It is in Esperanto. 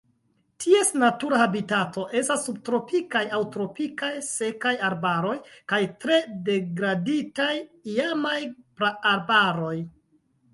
Ties natura habitato estas subtropikaj aŭ tropikaj sekaj arbaroj kaj tre degraditaj iamaj praarbaroj.